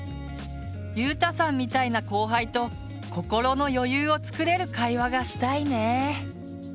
ゆうたさんみたいな後輩と心の余裕を作れる会話がしたいね。